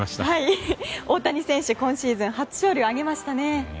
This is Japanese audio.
大谷選手、今シーズン初勝利を挙げましたね。